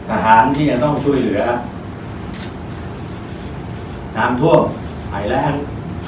อาหารที่ยังต้องช่วยเหลือนามทวบไหมแลนด์